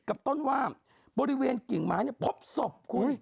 กลับต้นว่าบริเวณกลิ่งม้าพบศพโอ๊ยตกใจ